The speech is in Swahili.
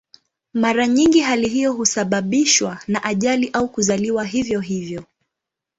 Mara nyingi hali hiyo husababishwa na ajali au kuzaliwa hivyo hivyo.